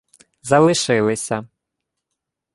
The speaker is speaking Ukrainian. Залишилися